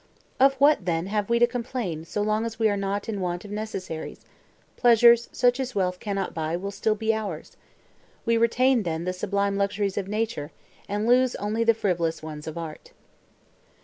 Of what, then, have we to complain, so long as we are not in want of necessaries? Pleasures, such as wealth cannot buy, will still be ours. We retain, then, the sublime luxuries of nature, and lose only the frivolous ones of art."